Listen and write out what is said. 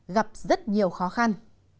gặp rất nhiều khó khăn